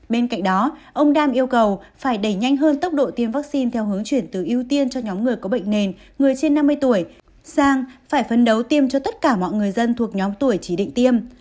bên cạnh đó ông đam yêu cầu phải đẩy nhanh hơn tốc độ tiêm vaccine theo hướng chuyển từ ưu tiên cho nhóm người có bệnh nền người trên năm mươi tuổi sang phải phân đấu tiêm cho tất cả mọi người dân thuộc nhóm tuổi chỉ định tiêm